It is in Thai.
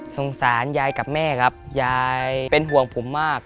สงสารยายกับแม่ครับยายเป็นห่วงผมมาก